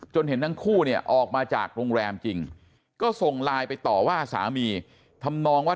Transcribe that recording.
เห็นทั้งคู่เนี่ยออกมาจากโรงแรมจริงก็ส่งไลน์ไปต่อว่าสามีทำนองว่า